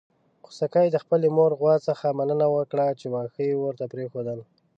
خوسکي د خپلې مور غوا څخه مننه وکړه چې واښه يې ورته پرېښودل.